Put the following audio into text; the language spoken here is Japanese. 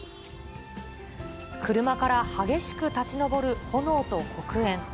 車から激しく立ち上る炎と黒煙。